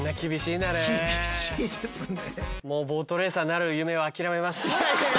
厳しいですね。